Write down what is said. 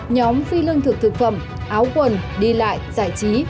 nhóm phi lương thực thực phẩm áo quần đi lại giải trí